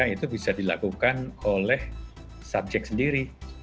itu bisa dilakukan oleh subjek sendiri